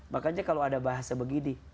makanya kalau ada bahasa begini